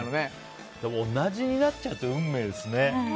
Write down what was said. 同じになっちゃうって運命ですね。